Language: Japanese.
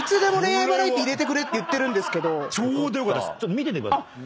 見ててください。